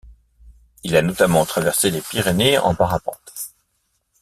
Il a notamment traversé les Pyrénées en parapente.